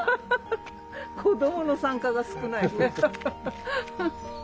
子どもの参加が少ない。